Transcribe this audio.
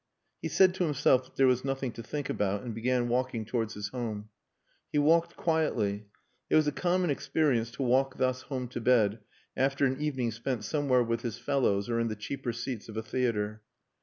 He said to himself that there was nothing to think about, and began walking towards his home. He walked quietly. It was a common experience to walk thus home to bed after an evening spent somewhere with his fellows or in the cheaper seats of a theatre.